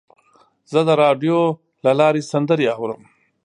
زه د راډیو له لارې سندرې اورم.